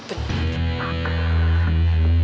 nggak ada yang bisa ngelakuin